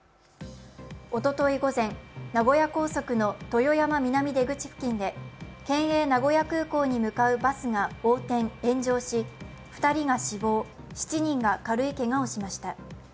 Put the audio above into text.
おととい午前、名古屋高速の豊山南出口付近で県営名古屋空港に向かうバスが横転・炎上し２人が死亡、７人が軽いけがをしました。